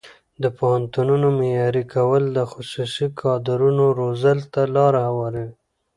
د پوهنتونونو معیاري کول د متخصصو کادرونو روزلو ته لاره هواروي.